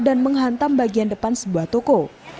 dan menghantam bagian depan sebuah toko